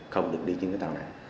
không được đi trên tàu này